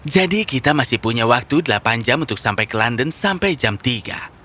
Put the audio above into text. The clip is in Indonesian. jadi kita masih punya waktu delapan jam untuk sampai ke london sampai jam tiga